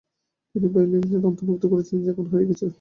তিনি বাইলিনাসকে অন্তর্ভুক্ত করেছিলেন যা এখন হারিয়ে গেছে।